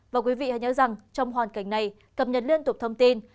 và quý vị hãy nhớ rằng trong hoàn cảnh này cập nhật liên tục thông tin